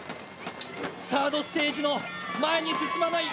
サードステージの、前に進まない。